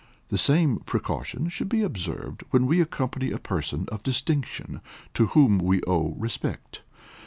The same precaution should be observed when we accompany a person of distinction to whom we owe respect.